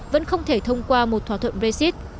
vẫn không thể thông qua một thỏa thuận brexit